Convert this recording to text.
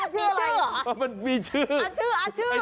ชื่อชื่อชื่อชื่อ